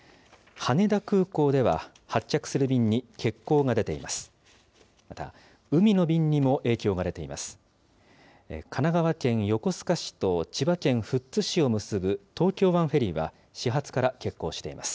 羽田空港では発着する便に欠航が出ています。